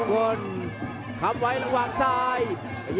ฟ้ามงคลคำไว้ลำวางซ้าย